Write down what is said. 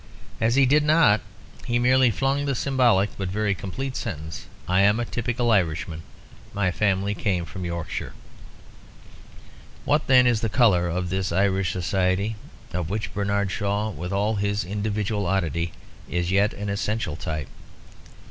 As he did not he merely flung the symbolic, but very complete sentence, "I am a typical Irishman; my family came from Yorkshire." What then is the colour of this Irish society of which Bernard Shaw, with all his individual oddity, is yet an essential type?